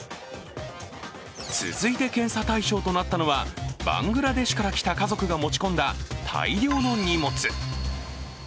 続いて検査対象となったのはバングラデシュから来た家族が持ち込んだ大量の荷物。